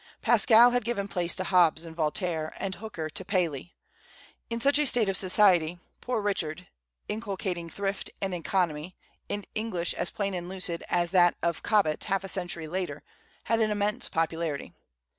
Pascal had given place to Hobbes and Voltaire, and Hooker to Paley. In such a state of society, "Poor Richard," inculcating thrift and economy, in English as plain and lucid as that of Cobbett half a century later, had an immense popularity.